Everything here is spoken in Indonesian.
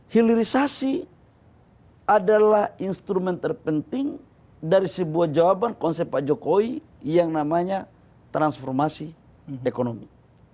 hilirisasi adalah instrumen terpenting dari sebuah jawaban konsep pak jokowi yang namanya transformasi ekonomi